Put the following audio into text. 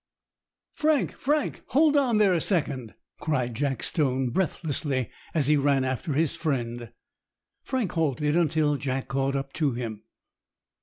* "Frank, Frank: Hold on there a second," cried Jack Stone breathlessly, as he ran after his friend. Frank halted until Jack caught up to him.